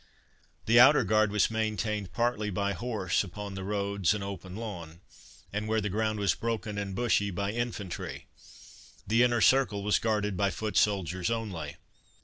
The outer guard was maintained partly by horse upon the roads and open lawn, and where the ground was broken and bushy, by infantry. The inner circle was guarded by foot soldiers only.